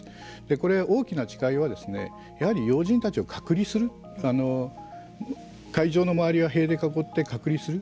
これ、大きな違いはですねやはり要人たちを隔離する会場の周りは塀で囲って隔離する。